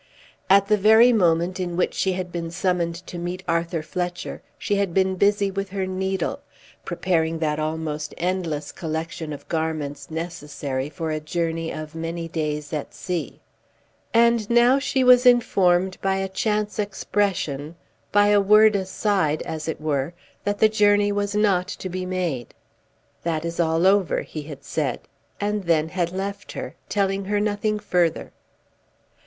At the very moment in which she had been summoned to meet Arthur Fletcher she had been busy with her needle preparing that almost endless collection of garments necessary for a journey of many days at sea. And now she was informed, by a chance expression, by a word aside, as it were, that the journey was not to be made. "That is all over," he had said, and then had left her, telling her nothing further.